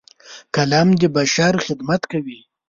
قلم د بشر خدمت کوي